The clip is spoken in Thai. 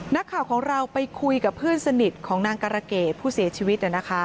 นักข่าวของเราไปคุยกับเพื่อนสนิทของนางการะเกดผู้เสียชีวิต